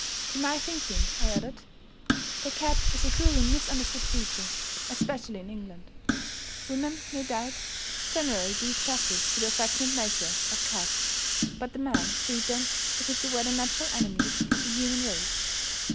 "To my thinking," I added, "the cat is a cruelly misunderstood creature especially in England. Women, no doubt, generally do justice to the affectionate nature of cats. But the men treat them as if they were the natural enemies of the human race.